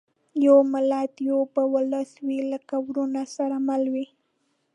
یو ملت یو به اولس وي لکه وروڼه سره مله وي